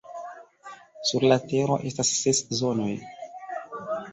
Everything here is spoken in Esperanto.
Sur la Tero estas ses Zonoj.